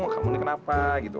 kamu ini kenapa gitu